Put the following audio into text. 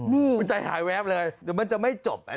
นี่คุณใจหายแวบเลยเดี๋ยวมันจะไม่จบ